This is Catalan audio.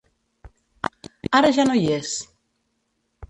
Ara ja no hi és.